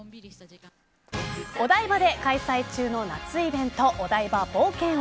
お台場で開催中の夏イベントお台場冒険王。